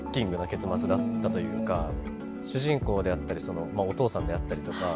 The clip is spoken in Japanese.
主人公であったりそのお父さんであったりとか。